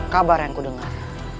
kabar yang kudengar